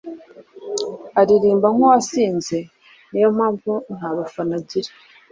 Aririmba nkuwasinze niyo mpamvu ntabafana agira